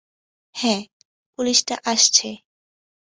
হ্যাঁ, পুলিশটা আসছে।